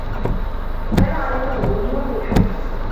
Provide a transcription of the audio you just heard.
كان عليك قبول نصيحته.